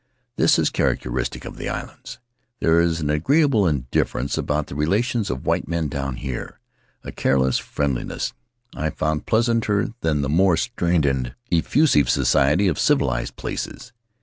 This is charac teristic of the islands. There is an agreeable indif ference about the relations of white men down here, a careless friendliness I find pleasanter than the more strained and effusive sociality of civilized places.